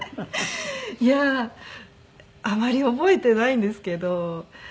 いやーあまり覚えていないんですけど。